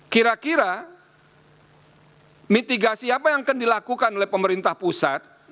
kira kira mitigasi apa yang akan dilakukan oleh pemerintah pusat